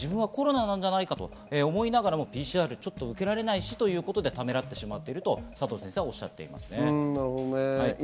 自分はコロナなんじゃないかと思いながらＰＣＲを受けられないしということで、ためらっていると佐藤先生はおっしゃっています。